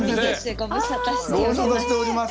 ご無沙汰しております。